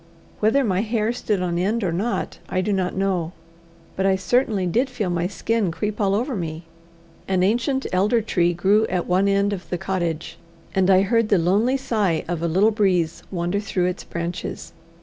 Whether my hair stood on end or not I do not know, but I certainly did feel my skin creep all over me. An ancient elder tree grew at one end of the cottage, and I heard the lonely sigh of a little breeze wander through its branches.